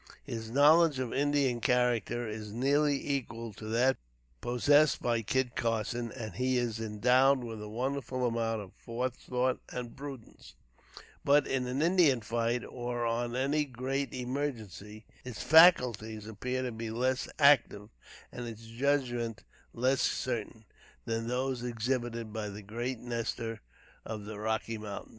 His knowledge of Indian character is nearly equal to that possessed by Kit Carson, and he is endowed with a wonderful amount of forethought and prudence; but, in an Indian fight, or on any great emergency, his faculties appear to be less active, and his judgment less certain, than those exhibited by the great Nestor of the Rocky Mountains.